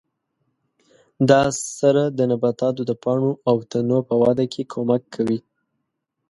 دا سره د نباتاتو د پاڼو او تنو په وده کې کومک کوي.